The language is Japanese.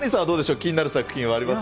気になる作品はありますか。